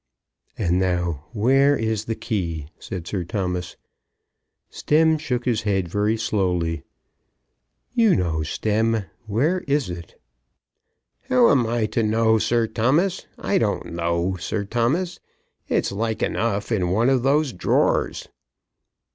"And now where is the key?" said Sir Thomas. Stemm shook his head very slowly. "You know, Stemm; where is it?" "How am I to know, Sir Thomas? I don't know, Sir Thomas. It's like enough in one of those drawers."